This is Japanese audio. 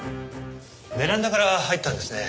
ベランダから入ったんですね。